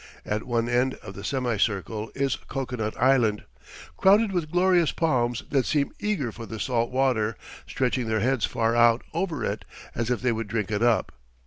At one end of the semicircle is Cocoanut Island, crowded with glorious palms that seem eager for the salt water, stretching their heads far out over it, as if they would drink it up.